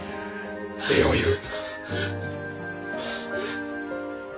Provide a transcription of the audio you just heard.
礼を言う。